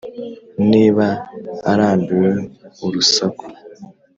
niba arambiwe urusaku